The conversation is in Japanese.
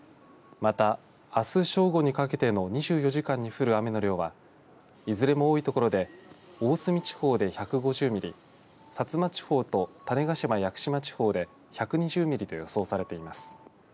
また、あす正午にかけての２４時間に降る雨の量はいずれも多い所で大隅地方で１５０ミリ薩摩地方と種子島、屋久島地方で１２０ミリと予想されています。